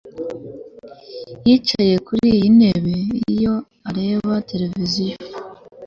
Yicaye kuri iyi ntebe iyo areba televiziyo